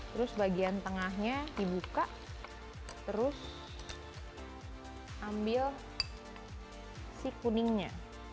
terus bagian tengahnya dibuka terus ambil si kuningnya